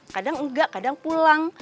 kadang enggak kadang pulang